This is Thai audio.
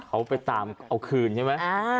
เขาไปตามเอาคืนใช่ไหม